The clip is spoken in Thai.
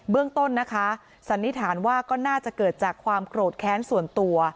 เรื่องต้นนะคะสันนิษฐานว่าก็น่าจะเกิดจากความโกรธแค้นส่วนตัว